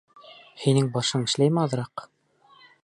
Һинең башың эшләйме аҙыраҡ?